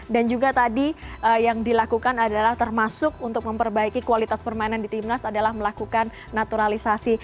dan juga tadi yang dilakukan adalah termasuk untuk memperbaiki kualitas permainan di timnas adalah melakukan naturalisasi